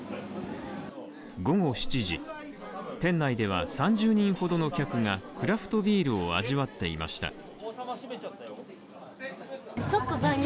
午後７時、店内では３０人ほどの客がクラフトビールを味わっていました。